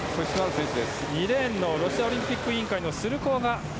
２レーンのロシアオリンピック委員会のスルコワ。